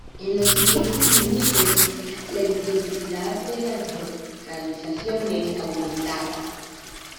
En los siguientes minutos, la intensidad de las vocalizaciones aumentaba.